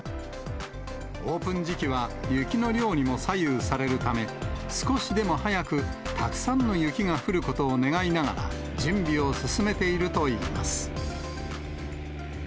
オープン時期は雪の量にも左右されるため、少しでも早く、たくさんの雪が降ることを願いながら、準備を進めているといいます。